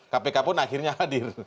kpk pun akhirnya hadir